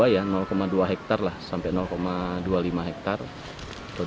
dua hektare lah sampai dua puluh lima hektare